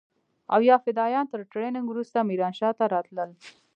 او يا فدايان تر ټرېننگ وروسته ميرانشاه ته راتلل.